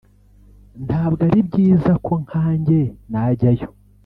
ntabwo ari byiza ko nkanjye najyayo